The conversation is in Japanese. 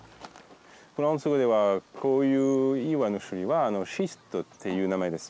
フランス語ではこういう岩の種類はシストっていう名前です。